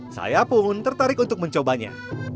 saya pun tertarik untuk mencobanya